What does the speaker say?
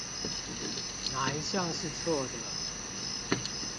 哪一項是錯的？